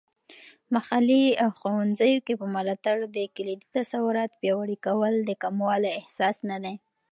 محلي ښوونځیو په ملاتړ د کلیدي تصورات پیاوړي کول د کموالی احساس نه دی.